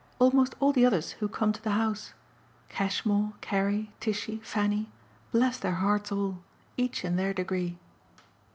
Almost all the others who come to the house. Cashmore, Carrie, Tishy, Fanny bless their hearts all! each in their degree."